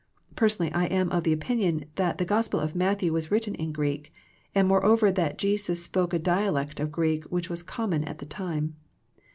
Personally, I am of opinion that the Gospel of Matthew was written in Greek, and moreover that Jesus spoke a dialect of Greek which was common at the time.